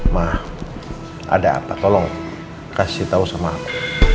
mah ada apa tolong kasih tahu sama aku